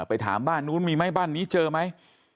ไปถามบ้านนู้นมีไหมบ้านนี้เจอไหม